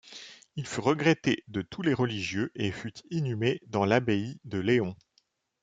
Il fut regretté de tous les religieux et fut inhumé dans l'abbaye de Léhon.